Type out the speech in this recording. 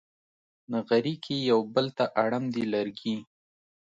نغري کې یو بل ته اړم دي لرګي